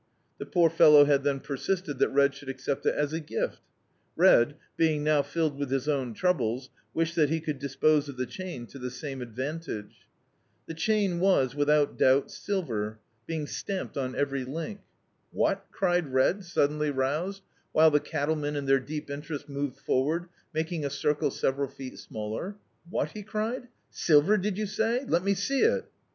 The poor fellow had then per sisted that Red should accept it as a gift Red, being now filled with his own troubles, wished that he could dispose of the chain to the same advantage. The chain was, without doubt, silver, being stamped on every link. "What I" cried Red, suddenly roused, [>oj] D,i.,.db, Google The Autobiography of a Super Tramp while the cattlemen in their deep interest moved forward, making a circle several feet smaller — "What!" he cried, "silver did you say? I>t me sec it!"